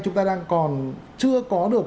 chúng ta đang còn chưa có được